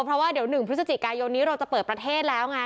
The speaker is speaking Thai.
เพราะว่าเดี๋ยว๑พฤศจิกายนนี้เราจะเปิดประเทศแล้วไง